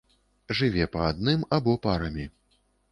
Жыве па адным або парамі.